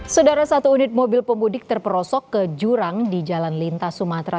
saudara satu unit mobil pemudik terperosok ke jurang di jalan lintas sumatera